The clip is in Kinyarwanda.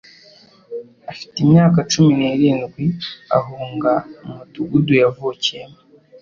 Afite imyaka cumi n'irindwi, ahunga umudugudu yavukiyemo.